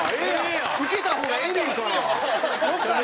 ウケた方がええねんから。